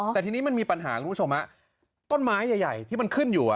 แต่ทีนี้มันมีปัญหาคุณผู้ชมฮะต้นไม้ใหญ่ที่มันขึ้นอยู่